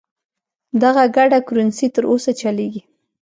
دغه ګډه کرنسي تر اوسه چلیږي.